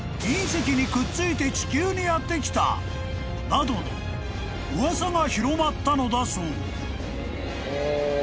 ［などの噂が広まったのだそう］